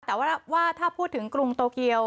แต่ว่าถ้าพูดถึงกรุงโตเกียว